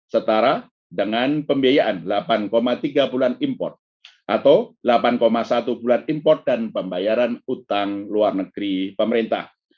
setara dengan pembiayaan delapan tiga bulan import atau delapan satu bulan import dan pembayaran utang luar negeri pemerintah